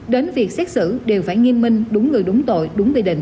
đến việc xét xử đều phải nghiêm minh đúng người đúng tội đúng quy định